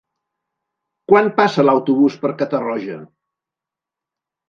Quan passa l'autobús per Catarroja?